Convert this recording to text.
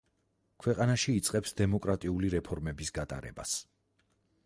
ქვეყანაში იწყებს დემოკრატიული რეფორმების გატარებას.